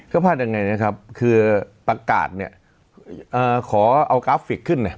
ก็พลาดยังไงนะครับคือประกาศเนี่ยขอเอากราฟิกขึ้น